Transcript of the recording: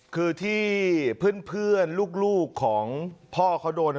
คือที่เพื่อนลูกของพ่อเขาโดน